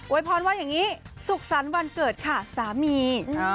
พรว่าอย่างนี้สุขสรรค์วันเกิดค่ะสามี